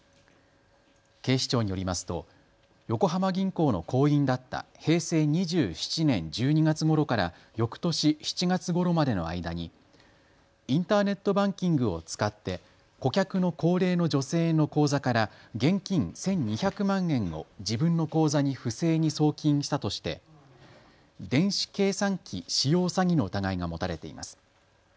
警視庁によりますと横浜銀行の行員だった平成２７年１２月ごろからよくとし７月ごろまでの間にインターネットバンキングを使って顧客の高齢の女性の口座から現金１２００万円を自分の口座に不正に送金したとして電子計算機使用詐欺の疑いが持たれています。